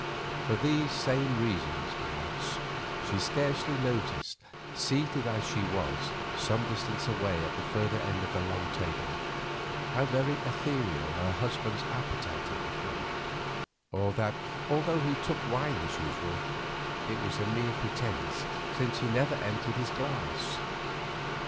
For these same reasons, perhaps, she scarcely noticed, seated as she was some distance away at the further end of the long table, how very ethereal her husband's appetite had become, or that, although he took wine as usual, it was a mere pretence, since he never emptied his glass.